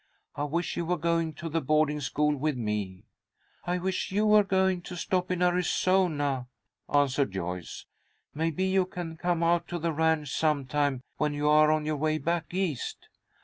"I wish you were going to the boarding school with me." "I wish you were going to stop in Arizona," answered Joyce. "Maybe you can come out to the ranch sometime, when you are on your way back East."